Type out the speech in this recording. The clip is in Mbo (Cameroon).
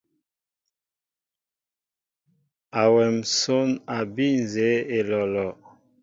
Awem nsón a bii nzeé olɔlɔ.